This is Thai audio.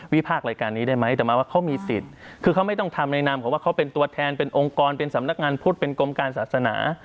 พากษ์รายการนี้ได้ไหมแต่มาว่าเขามีสิทธิ์คือเขาไม่ต้องทำในนามเขาว่าเขาเป็นตัวแทนเป็นองค์กรเป็นสำนักงานพุทธเป็นกรมการศาสนา